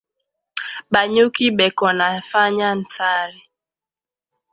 Ba nyuki beko nafanya nsari